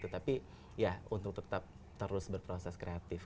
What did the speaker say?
tetapi ya untuk tetap terus berproses kreatif